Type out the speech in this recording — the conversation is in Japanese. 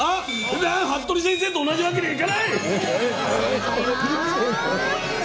服部先生と同じわけにはいかない！